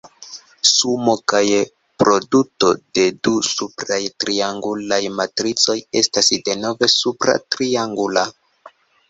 Sumo kaj produto de du supraj triangulaj matricoj estas denove supra triangula.